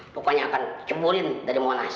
pokoknya akan jempurin dari monas